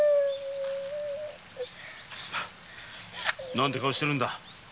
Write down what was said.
何て顔してるんだ。